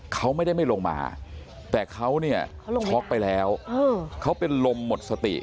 เขาไม่ได้ไม่ลงมาแต่เขาเนี่ยช็อกไปแล้วเขาเป็นลมหมดสติ